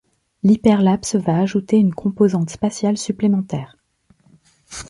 L'hyperlapse va ajouter une composante spatiale supplémentaire.